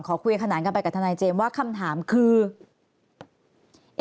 ขอคุยขนานกันไปกับทนายเจมส์ว่าคำถามคือ